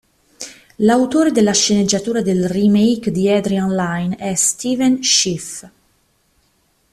L'autore della sceneggiatura del remake di Adrian Lyne è Stephen Schiff.